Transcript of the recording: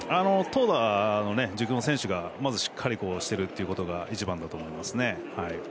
投打の軸の選手がまず、しっかりしてるというのが一番だと思いますね。